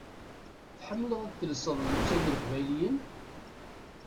Tḥemmleḍ ad telseḍ llebsa n yeqbayliyen?